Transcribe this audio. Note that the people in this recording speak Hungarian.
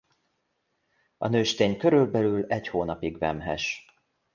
A nőstény körülbelül egy hónapig vemhes.